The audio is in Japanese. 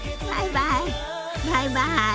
バイバイ。